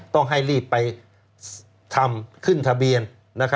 ต้องให้รีบไปทำขึ้นทะเบียน